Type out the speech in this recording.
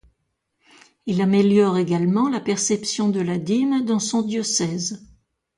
Il améliore également la perception de la dîme dans son diocèse.